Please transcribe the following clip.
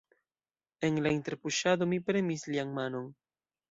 En la interpuŝado mi premis lian manon.